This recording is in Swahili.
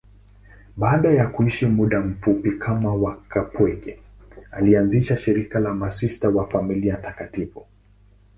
Baada ya kuishi muda mfupi kama mkaapweke, alianzisha shirika la Masista wa Familia Takatifu.